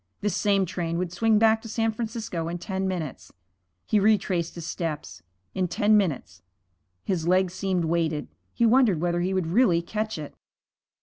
This same train would swing back to San Francisco in ten minutes. He retraced his steps. In ten minutes His legs seemed weighted. He wondered whether he would really catch it.